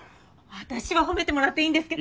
私は褒めてもらっていいんですけど。